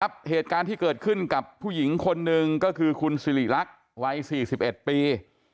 เหตุการณ์ที่เกิดขึ้นกับผู้หญิงคนหนึ่งก็คือคุณสิริรักษ์วัย๔๑ปี